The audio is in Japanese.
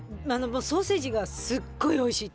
ソーセージがすっごいおいしいって。